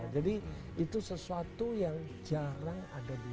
jadi itu sesuatu yang jarang ada di film